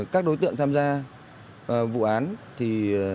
các đối tượng tham gia vụ án thì